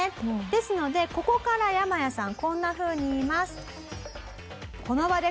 ですのでここからヤマヤさんこんなふうに言います。